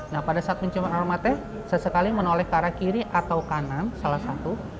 nah pada saat mencium aromanya saya sekali menoleh arah kiri atau kanan salah satu